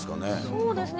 そうですね。